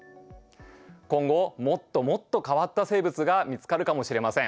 今後もっともっと変わった生物が見つかるかもしれません。